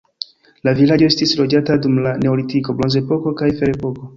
La vilaĝo estis loĝata dum la neolitiko, bronzepoko kaj ferepoko.